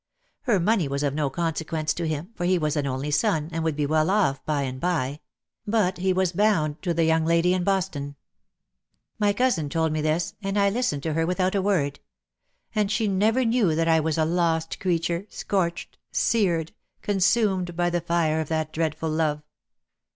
Her money was of no consequence to him, for he was an only son, and would be well off by and by; but he was bound to the young lady at Boston. My cousin told me this, and I listened to her without a word; and she never knew that I was a lost creature, scorched, seared, consumed by the fire of that dreadful love.